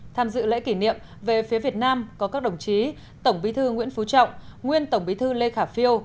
tham dự lễ kỷ niệm về phía việt nam có các đồng chí tổng bí thư nguyễn phú trọng nguyên tổng bí thư lê khả phiêu